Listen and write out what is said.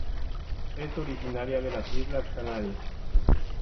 Es originaria de las islas Canarias.